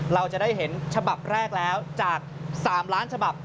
เราจะได้เห็นฉบับแรกแล้วจาก๓ล้านฉบับ